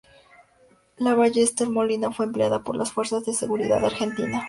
La Ballester-Molina fue empleada por las fuerzas de seguridad de Argentina.